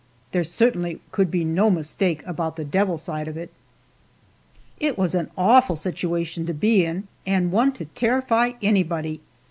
There certainly could be no mistake about the "devil" side of it! It was an awful situation to be in, and one to terrify anybody.